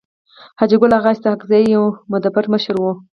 حاجي ګل اغا اسحق زی يو مدبر مشر وو.